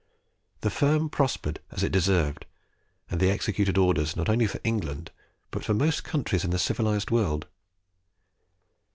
The firm prospered as it deserved; and they executed orders not only for England, but for most countries in the civilized world.